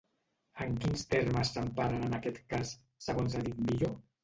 En quins termes s'emparen en aquest cas, segons ha dit Millo?